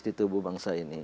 di tubuh bangsa ini